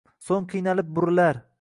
soʻng qiynalib burilar